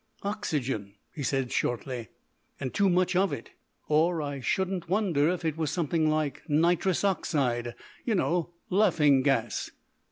"Oxygen," he said, shortly, "and too much of it! Or I shouldn't wonder if it was something like nitrous oxide you know, laughing gas."